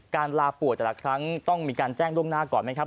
ลาป่วยแต่ละครั้งต้องมีการแจ้งล่วงหน้าก่อนไหมครับ